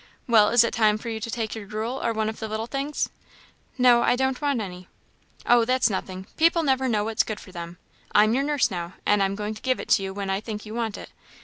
Well, is it time for you to take your gruel or one of the little things?" "No, I don't want any." "Oh, that's nothing; people never know what's good for them; I'm your nurse now, and I'm going to give it to you when I think you want it.